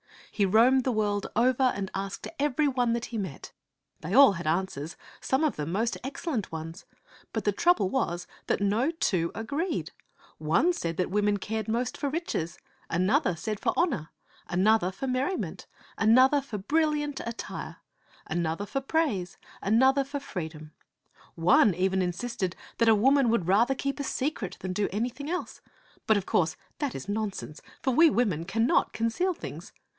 He roamed the world over and asked every one that he met. They all had answers, some of them most excellent ones, but the trouble was that no two agreed. One said women cared most for riches, an other said for honor, another for merriment, another for brilliant attire, another for praise, another for free dom. One even insisted that a woman would rather keep a secret than do anything else ; but of course that is nonsense, for we women cannot conceal things.